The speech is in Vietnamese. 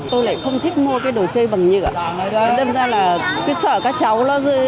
tôi lại không thích mua cái đồ chơi bằng nhựa đâm ra là cứ sợ các cháu nó dư